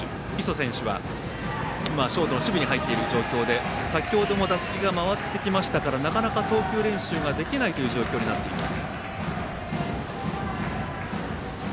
磯選手は今、ショートの守備に入っている状況で先ほども打席が回ってきましたからなかなか、投球練習ができないという状況になっています。